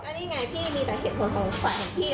ก็นี่ไงพี่มีแต่เหตุผลของฝ่ายของพี่